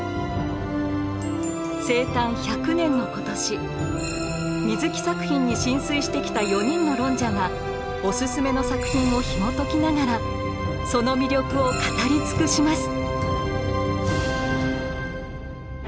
生誕１００年の今年水木作品に心酔してきた４人の論者がお薦めの作品をひもときながらその魅力を語り尽くします。